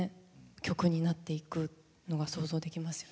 曲になっていくのが想像できますよね。